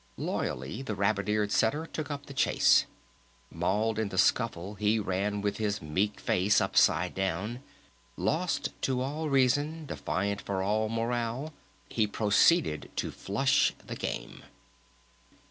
Loyally the rabbit eared Setter took up the chase. Mauled in the scuffle he ran with his meek face upside down! Lost to all reason, defiant of all morale, he proceeded to flush the game!